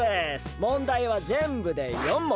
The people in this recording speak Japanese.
問題はぜんぶで４問！